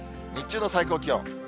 日中の最高気温。